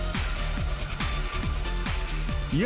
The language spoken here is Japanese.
［いや。